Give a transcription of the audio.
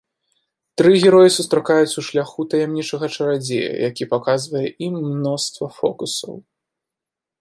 Тры героі сустракаюць у шляху таямнічага чарадзея, які паказвае ім мноства фокусаў.